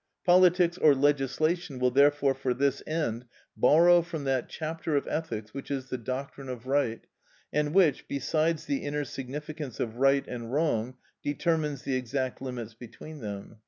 Politics or legislation will therefore for this end borrow from that chapter of ethics which is the doctrine of right, and which, besides the inner significance of right and wrong, determines the exact limits between them.